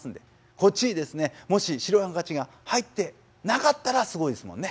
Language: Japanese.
こっちにですねもし白いハンカチが入ってなかったらすごいですもんね。